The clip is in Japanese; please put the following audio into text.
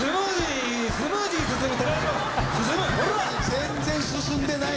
全然進んでない。